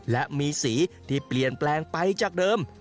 และมีสีที่เปลี่ยนแปลงไปจากเดิม